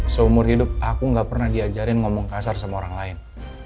seumur hidup aku gak pernah diajarin ngomong kasar sama orang lain